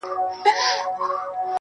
خو د درد اصل حل نه مومي او پاتې،